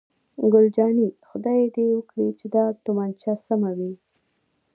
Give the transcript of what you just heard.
ګل جانې: خدای دې وکړي چې دا تومانچه سمه وي.